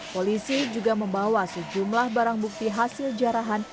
polisi juga membawa sejumlah barang bukti hasil jarahan